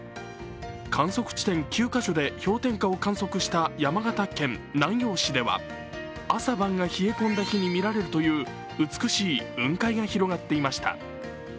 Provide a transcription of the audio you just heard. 観測地点９か所で氷点下を観測した山形県南陽市では朝晩が冷え込んだ日に見られるという美しい雲海が広がっていました。